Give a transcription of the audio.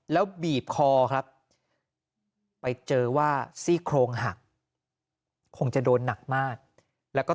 แล้วบีบคอครับไปเจอว่าซี่โครงหักคงจะโดนหนักมากแล้วก็